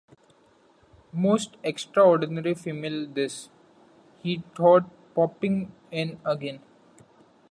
‘Most extraordinary female this,’ he thought, popping in again.